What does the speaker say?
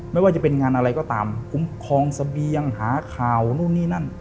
ไม่ว่าจะเป็นงานอะไรก็ตามคุ้มครองเสบียงหาข่าวนู่นนี่นั่น